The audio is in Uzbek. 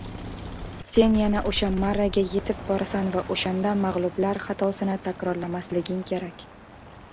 Sen yana oʻsha marraga yetib borasan va oʻshanda magʻlublar xatosini takrorlamasliging kerak.